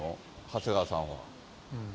長谷川さんは。